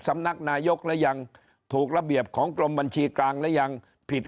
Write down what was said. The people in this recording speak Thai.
สำนักนายกหรือยังถูกระเบียบของกรมบัญชีกลางหรือยังผิด